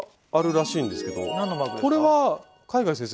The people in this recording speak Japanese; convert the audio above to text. これは海外先生